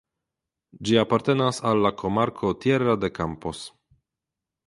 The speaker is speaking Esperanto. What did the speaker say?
Ĝi apartenas al la komarko "Tierra de Campos".